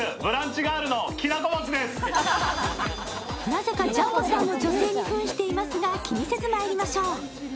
なぜかジャンボさんも女性にふんしていますが、気にせずまいりましょう。